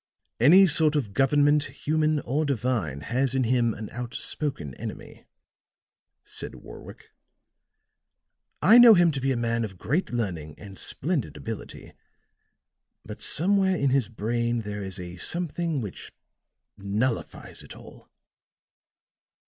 "Any sort of government, human or divine, has in him an outspoken enemy," said Warwick. "I know him to be a man of great learning and splendid ability, but somewhere in his brain there is a something which nullifies it all."